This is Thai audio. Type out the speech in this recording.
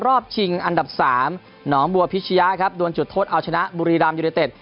รอบชิงอันดับ๓หนองบัวพิชยาครับโดนจุดโทษอาชนะบุรีรัมยุโดยเต็ด